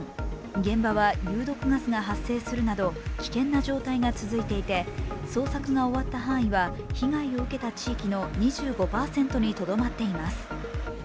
現場は有毒ガスが発生するなど危険な状態が続いていて捜索が終わった範囲は被害を受けた地域の２５％にとどまっています。